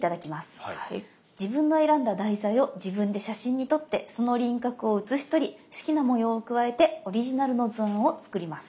自分の選んだ題材を自分で写真に撮ってその輪郭を写しとり好きな模様を加えてオリジナルの図案を作ります。